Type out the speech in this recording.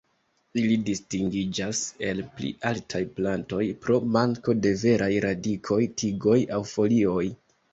Ili distingiĝas el pli altaj plantoj pro manko de veraj radikoj, tigoj aŭ folioj.